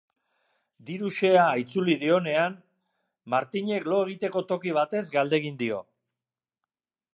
Diru xehea itzuli dionean, Martinek lo egiteko toki batez galdegin dio.